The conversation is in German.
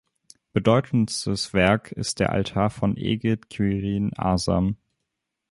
Bedeutendstes Werk ist der Altar von Egid Quirin Asam.